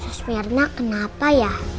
sus mirna kenapa ya